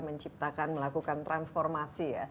menciptakan melakukan transformasi ya